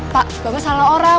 pak gua gak salah orang